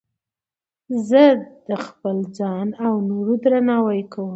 زه د خپل ځان او نورو درناوی کوم.